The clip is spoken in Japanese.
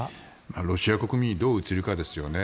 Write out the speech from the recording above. ロシア国民にどう映るかですよね。